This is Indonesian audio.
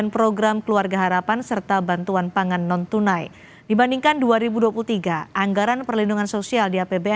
pemerintah mengalokasikan anggaran perlindungan sosial